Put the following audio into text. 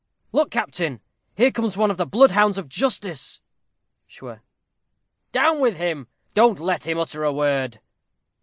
_ Look, captain, here comes one of the bloodhounds of justice. Schw. Down with him. Don't let him utter a word.